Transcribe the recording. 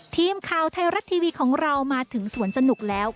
ทีมข่าวไทยรัฐทีวีของเรามาถึงสวนสนุกแล้ว